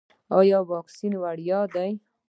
ایا واکسین وړیا دی؟